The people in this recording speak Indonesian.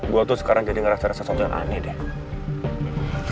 gue tuh sekarang jadi ngerasa rasa sosokan aneh deh